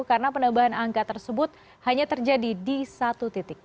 karena penambahan angka tersebut hanya terjadi di satu titik